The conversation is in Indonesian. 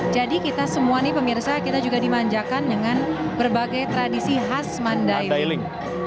jadi kita semua nih pemirsa kita juga dimanjakan dengan berbagai tradisi khas mandailing